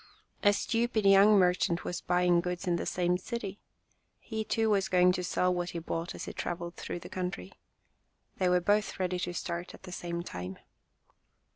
A stupid young merchant was buying goods in the same city. He, too, was going to sell what he bought as he traveled through the country. They were both ready to start at the same time.